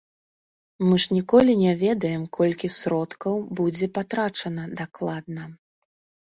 Мы ж ніколі не ведаем, колькі сродкаў будзе патрачана, дакладна.